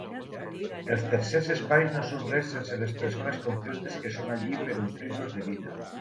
Els tercers espais no són res sense les persones concretes que són allí per a omplir-los de vida.